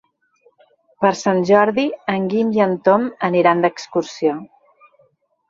Per Sant Jordi en Guim i en Tom aniran d'excursió.